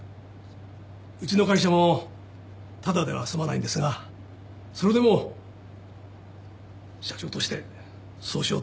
うちの会社もただでは済まないんですがそれでも社長としてそうしようと思ったんです。